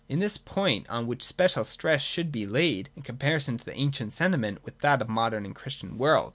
It is this point on which special stress should be laid in comparing the ancient sentiment with that of the modern and Christian world.